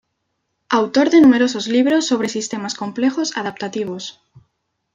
Autor de numerosos libros sobre Sistemas complejos adaptativos.